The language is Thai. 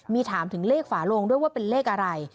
มีถามถึงเลขฝาโลงด้วยว่าเป็นเลขอะไร